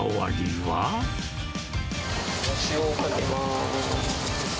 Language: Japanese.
藻塩をかけます。